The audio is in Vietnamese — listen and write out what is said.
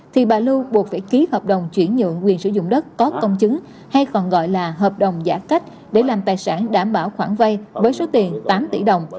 thì bà lưu buộc phải ký hợp đồng chuyển nhượng quyền sử dụng đất có công chứng hay còn gọi là hợp đồng giả cách để làm tài sản đảm bảo khoản vay với số tiền tám tỷ đồng